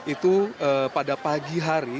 itu pada pagi hari